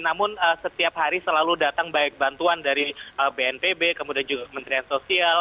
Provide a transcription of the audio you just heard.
namun setiap hari selalu datang baik bantuan dari bnpb kemudian juga menterian sosial